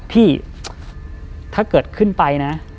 พี่ถ้าเกิดขึ้นไปนะ